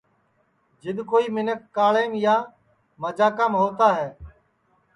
جِد کوئی مینکھ کاݪیم یا مجاکام ہووتا ہے